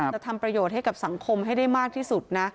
จะทำประโยชน์ให้กับสังคมให้ได้มากที่สุดนะ